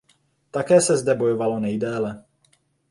Také se zde bojovalo nejdéle.